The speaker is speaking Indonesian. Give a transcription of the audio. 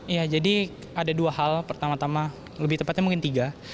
iya jadi ada dua hal pertama tama lebih tepatnya mungkin tiga